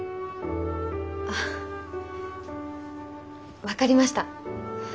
あ分かりました。